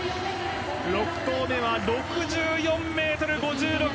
６投目は６４ｍ５６。